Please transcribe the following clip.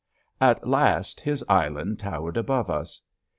At last his island towered above us.